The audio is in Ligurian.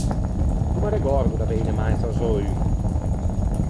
No m’arregòrdo d’aveine mai assazzou un.